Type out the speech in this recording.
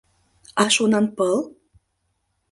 А Шонанпыл?